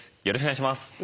よろしくお願いします。